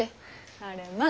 あれまぁ。